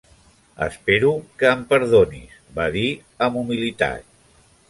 "Espero que em perdonis" va dir amb humilitat.